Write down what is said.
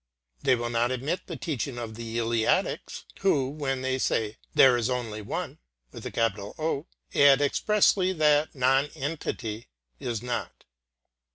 They will not admit the teaching of the Eleatics, who, when they say "There is only One," add expressly that non entity is not.